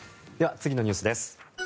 次のニュースです。